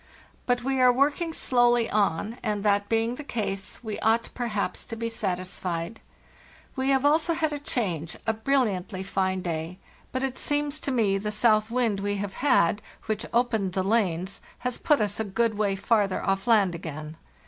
But we are working slowly on, and, that being the case, we ought, perhaps, to be satisfied. We have also had a change—a brilliantly fine day; but it seems to me the south wind we have had, and which apened the lanes, has put us a good way farther off land again.